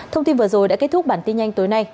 thông tin vừa rồi đã kết thúc bản tin nhanh tối nay